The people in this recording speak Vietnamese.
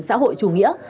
xã hội chủ nghĩa